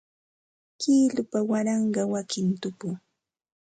Kilupa waranqa wakin tupu